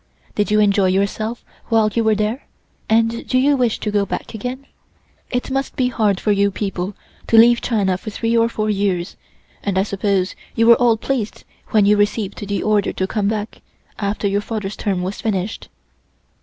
Did you enjoy yourself while you were there, and do you wish to go back again? It must be hard for you people to leave China for three or four years, and I suppose you were all pleased when you received the order to come back, after your father's term was finished."